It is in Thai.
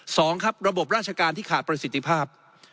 สองครับระบบราชการที่ขาดประสิทธิภาพ